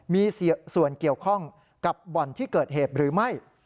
มีส่วนเกี่ยวข้องกับบ่อนที่เกิดเหตุหรือไม่